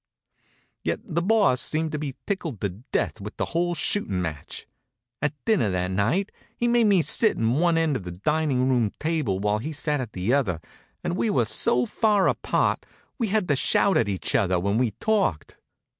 Yet the Boss seemed to be tickled to death with the whole shooting match. At dinner that night he made me sit at one end of the dining room table while he sat at the other, and we were so far apart we had to shout at each other when we talked.